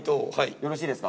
◆よろしいですか。